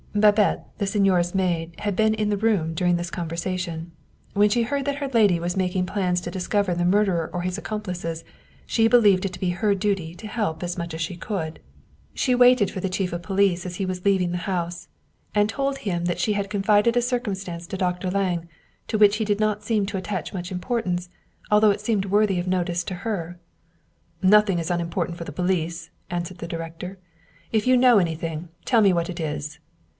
Babette, the signora's maid, had been in the room during this conversation. When she heard that her lady was mak ing plans to discover the murderer or his accomplices, she believed it to be her duty to help as much as she could. 117 German Mystery Stories She waited for the chief of police as he was leaving the house, and told him that she had confided a circumstance to Dr. Lange, to which he did not seem to attach much im portance, although it seemed worthy of notice to her. " Nothing is unimportant for the police," answered the director. " If you know anything, tell me what it is."